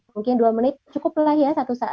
mungkin dua menit cukup lah ya